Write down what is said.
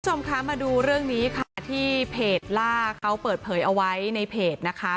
คุณผู้ชมคะมาดูเรื่องนี้ค่ะที่เพจล่าเขาเปิดเผยเอาไว้ในเพจนะคะ